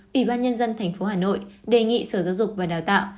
ủy ban nhân dân tp hà nội đề nghị sở giáo dục và đào tạo